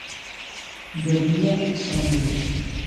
Bernie Sanders?